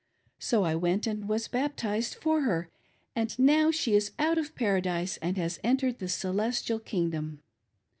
So I went and was baptized for her, and now she is out of Paradise and has entered the Celestial Kingdom.